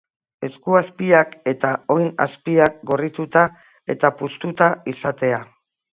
Esku-azpiak eta oin-azpiak gorrituta eta puztuta izatea.